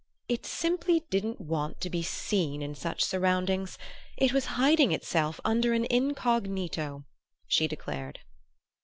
"It simply didn't want to be seen in such surroundings; it was hiding itself under an incognito," she declared.